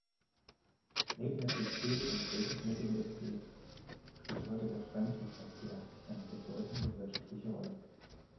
Neben der Textil- und Lebensmittelindustrie spielt heute der Fremdenverkehr eine bedeutende wirtschaftliche Rolle.